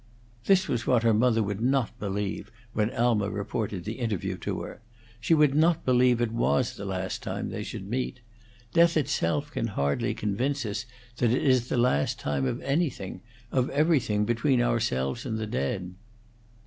This was what her mother would not believe when Alma reported the interview to her; she would not believe it was the last time they should meet; death itself can hardly convince us that it is the last time of anything, of everything between ourselves and the dead.